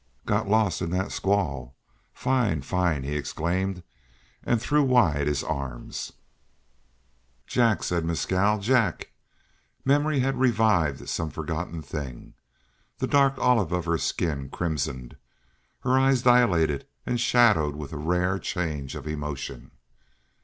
"Got lost in that squall. Fine! Fine!" he exclaimed, and threw wide his arms. "Jack!" said Mescal. "Jack!" Memory had revived some forgotten thing. The dark olive of her skin crimsoned; her eyes dilated and shadowed with a rare change of emotion.